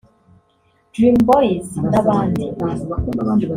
Dream Boyz n’abandi